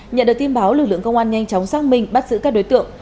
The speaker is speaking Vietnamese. nhận được tin báo lực lượng công an nhanh chóng xác minh bắt giữ các đối tượng